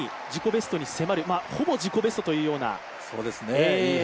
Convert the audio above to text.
ベストに迫る、ほぼ自己ベストというような。